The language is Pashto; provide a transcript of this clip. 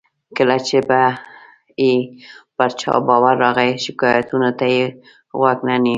کله چې به یې پر چا باور راغی، شکایتونو ته یې غوږ نه نیو.